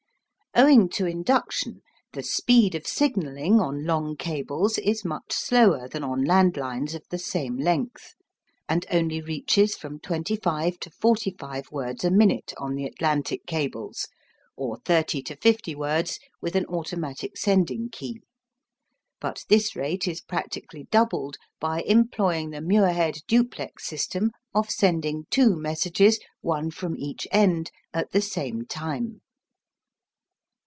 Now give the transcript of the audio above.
Owing to induction, the speed of signalling on long cables is much slower than on land lines of the same length, and only reaches from 25 to 45 words a minute on the Atlantic cables, or 30 to 50 words with an automatic sending key; but this rate is practically doubled by employing the Muirhead duplex system of sending two messages, one from each end, at the same time.